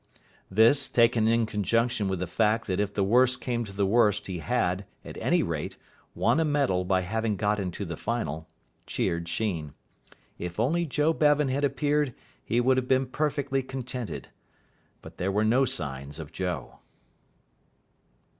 This, taken in conjunction with the fact that if the worst came to the worst he had, at any rate, won a medal by having got into the final, cheered Sheen. If only Joe Bevan had appeared he would have been perfectly contented. But there were no signs of Joe.